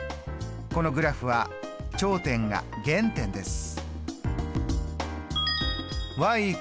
このグラフは頂点が原点です。